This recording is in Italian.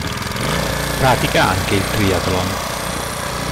Pratica anche il triathlon.